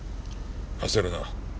焦るな。